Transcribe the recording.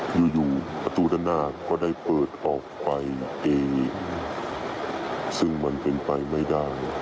อยู่อยู่ประตูด้านหน้าก็ได้เปิดออกไปนั่นเองซึ่งมันเป็นไปไม่ได้